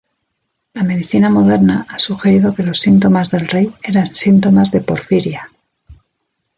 La medicina moderna ha sugerido que los síntomas del rey eran síntomas de porfiria.